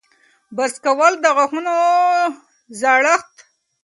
برس کول د غاښونو زړښت کموي.